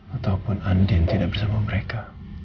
ataupun andin tidak bersama mereka